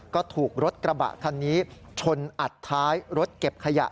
ก็ถูกรถกระบะคันนี้ชนอัดท้ายรถเก็บขยะ